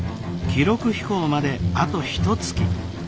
記録飛行まであとひとつき。